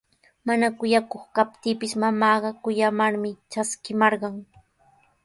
Mana kuyakuq kaptiipis mamaaqa kuyamarmi traskimarqan.